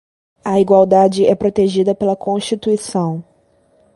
A igualdade é protegida pela Constituição.